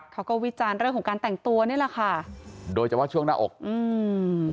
วิจารณ์เรื่องของการแต่งตัวนี่แหละค่ะโดยเฉพาะช่วงหน้าอกอืม